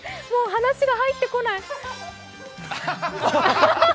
話が入ってこない。